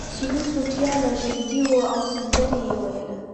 د چینو سوټیان لا ژوندي وو او سندره یې ویله.